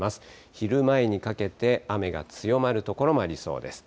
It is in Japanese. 昼前にかけて、雨が強まる所もありそうです。